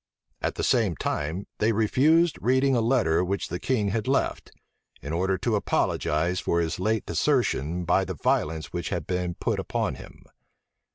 At the same time, they refused reading a letter which the king had left, in order to apologize for his late desertion by the violence which had been put upon him.